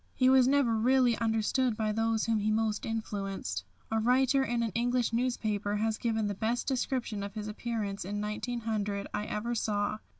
He was never really understood by those whom he most influenced. A writer in an English newspaper has given the best description of his appearance in 1900 I ever saw.